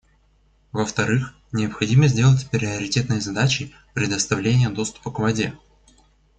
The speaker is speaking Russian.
Во-вторых, необходимо сделать приоритетной задачей предоставление доступа к воде.